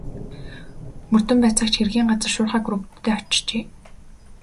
Мөрдөн байцаагч хэргийн газар шуурхай групптэй очжээ.